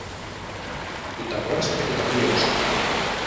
που τ' αγόρασα και που τα πλήρωσα.